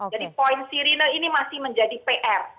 jadi poin sirine ini masih menjadi pr